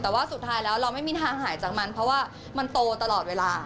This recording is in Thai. แต่ว่าสุดท้ายแล้วเราไม่มีทางหายจากมันเพราะว่ามันโตตลอดเวลา